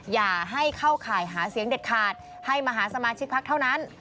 อย่าให้เข้าข่ายหาเสียงเด็ดขาดให้มาหาสมาชิกพักเท่านั้น